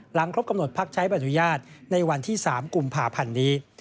ครบกำหนดพักใช้ใบอนุญาตในวันที่๓กุมภาพันธ์นี้